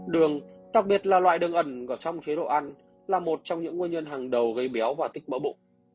đường đặc biệt là loại đường ẩn trong chế độ ăn là một trong những nguyên nhân hàng đầu gây béo và tích mỡ bụng